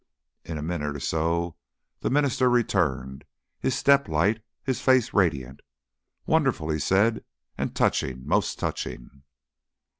In a minute or so the minister returned, his step light, his face radiant. "Wonderful!" he said, "and touching! Most touching!"